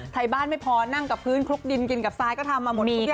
ไทยบ้านไม่พอนั่งกับพื้นคลุกดินกินกับซ้ายก็ทำมาหมดทุกอย่างแล้ว